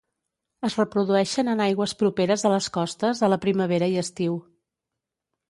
Es reprodueixen en aigües properes a les costes a la primavera i estiu.